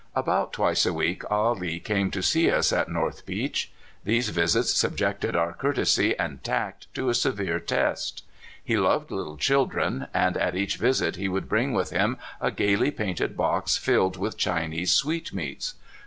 About twice a week Ah Lee came to see us at North Beach. These visits subjected our courtesy and tact to a severe test. He loved little children, and at each visit he would bring with him a gayly painted box tilled with Chinese sweetmeats.